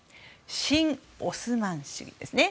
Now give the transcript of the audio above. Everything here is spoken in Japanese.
新オスマン主義ですね。